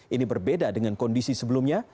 ini berbeda dengan kondisi sebelumnya